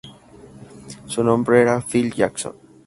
Su nombre era Phil Jackson.